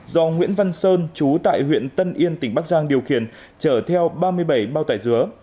do nguyễn văn sơn chú tại huyện tân yên tỉnh bắc giang điều khiển chở theo ba mươi bảy bao tải dứa